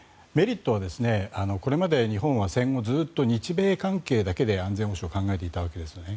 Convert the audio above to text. メリットはこれまで日本は戦後ずっと日米関係だけで安全保障を考えていたんですね。